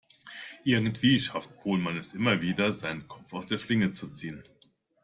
Irgendwie schafft Pohlmann es immer wieder, seinen Kopf aus der Schlinge zu ziehen.